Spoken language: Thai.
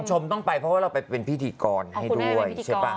ชมต้องไปเพราะว่าเราไปเป็นพิธีกรให้ด้วยใช่ป่ะ